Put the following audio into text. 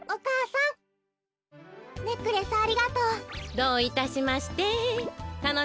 どういたしまして。